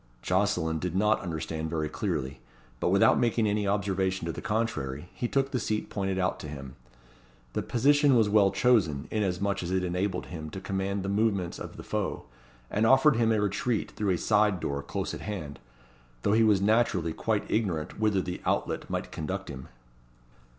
Jocelyn did not understand very clearly; but without making any observation to the contrary, he took the seat pointed out to him. The position was well chosen, inasmuch as it enabled him to command the movements of the foe, and offered him a retreat through a side door, close at hand; though he was naturally quite ignorant whither the outlet might conduct him.